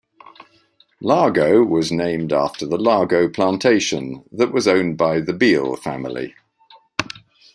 Largo was named after the Largo Plantation that was owned by the Beall family.